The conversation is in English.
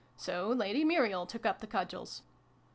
So Lady Muriel took up the cudgels.